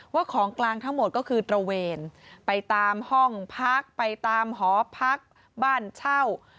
ของกลางทั้งหมดก็คือตระเวนไปตามห้องพักไปตามหอพักบ้านเช่า